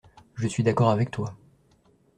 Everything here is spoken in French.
Je suis d’accord avec toi.